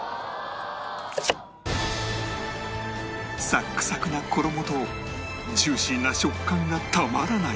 サックサクな衣とジューシーな食感がたまらない